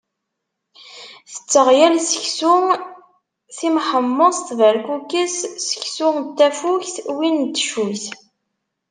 Tetteɣ yal seksu: timḥemmeṣt, berkukes, seksu n tafukt, win n teccuyt...